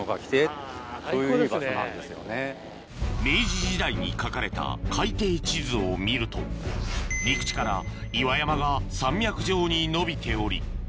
明治時代に描かれた海底地図を見ると陸地から岩山が山脈状に延びており